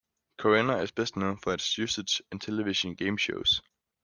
Korinna is best known for its usage in television game shows.